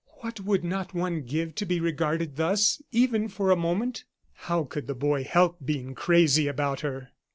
What would not one give to be regarded thus, even for a moment? How could the boy help being crazy about her?